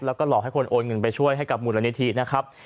แล้วก็หลอกให้คนโอนเงินไปช่วยให้กับมูลนิธินะครับ